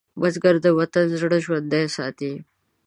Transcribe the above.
بزګر د وطن زړه ژوندی ساتي